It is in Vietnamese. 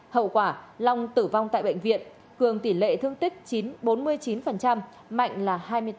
hậu quả long tử vong tại bệnh viện cường tỷ lệ thương tích bốn mươi chín mạnh là hai mươi tám